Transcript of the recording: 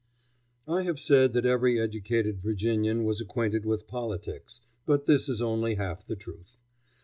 I have said that every educated Virginian was acquainted with politics, but this is only half the truth.